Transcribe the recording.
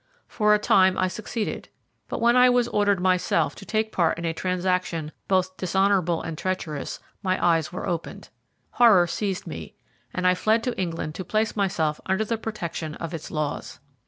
For a time I succeeded, but when I was ordered myself to take part in a transaction both dishonourable and treacherous, my eyes were opened. Horror seized me, and I fled to England to place myself under the protection of its laws.